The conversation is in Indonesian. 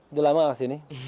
udah lama gak kesini